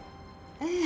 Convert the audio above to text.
ええ。